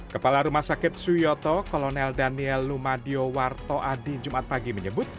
kepala rumah sakit suyoto kolonel daniel lumadio warto adi jumat pagi menyebut